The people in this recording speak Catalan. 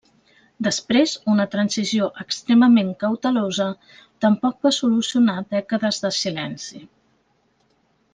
Després, una Transició extremament cautelosa tampoc va solucionar dècades de silenci.